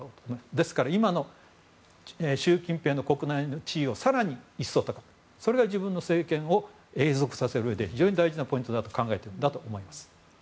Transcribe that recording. ですから、今の習近平の国内地位を更に一層高めるのが自分の政権を永続させるうえで非常に大事なポイントだと考えているんだと思います。